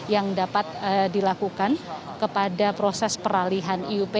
yang dapat dilakukan kepada proses peralihan iup